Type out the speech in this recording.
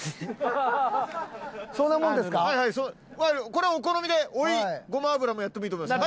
これはお好みで追いごま油もやってもいいと思います。